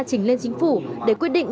chỉnh lên chính phủ để quyết định